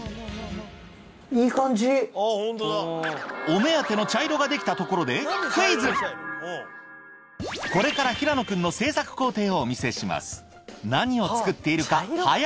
お目当ての茶色ができたところでこれから平野君の制作工程をお見せします